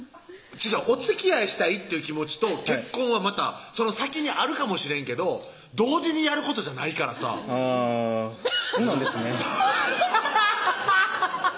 違うおつきあいしたいっていう気持ちと結婚はまたその先にあるかもしれんけど同時にやることじゃないからさあぁそうなんですね